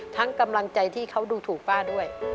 กำลังใจที่เขาดูถูกป้าด้วย